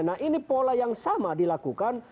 nah ini pola yang sama dilakukan